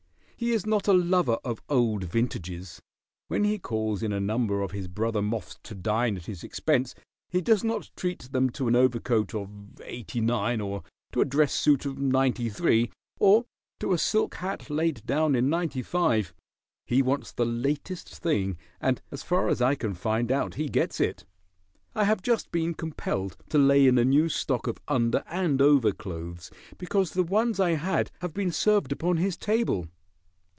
He is not a lover of old vintages. When he calls in a number of his brother moths to dine at his expense he does not treat them to an overcoat of '89, or to a dress suit of '93, or to a silk hat laid down in '95. He wants the latest thing, and as far as I can find out he gets it. I have just been compelled to lay in a new stock of under and over clothes because the ones I had have been served upon his table."